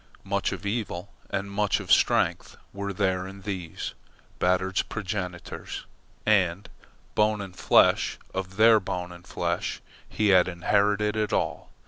Much of evil and much of strength were there in these, Batard's progenitors, and, bone and flesh of their bone and flesh, he had inherited it all.